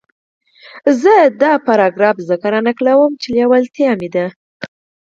زه دا پاراګراف ځکه را نقلوم چې لېوالتیا ده.